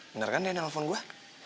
bener kan dia nelfon gue